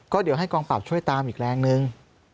ก็เดี๋ยวให้กองปราบช่วยตามอีกแรงนึง